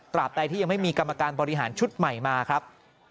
ใดที่ยังไม่มีกรรมการบริหารชุดใหม่มาครับ